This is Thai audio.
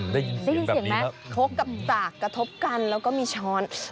ได้ยินเสียงแบบนี้ครับพกกับตากกระทบกันแล้วก็มีช้อน